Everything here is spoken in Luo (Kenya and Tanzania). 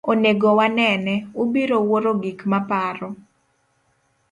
Onego wanene, ubiro wuoro gik maparo.